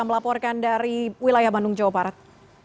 melaporkan dari wilayah bandung jawa barat